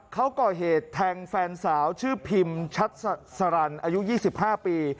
เขาก่อเหตุแทงแฟนสาวชื่อพิมชัดสรรอายุยี่สิบห้าปี